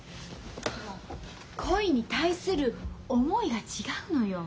恋に対する思いが違うのよ。